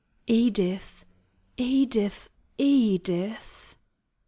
"Edith! Edith! Edith!"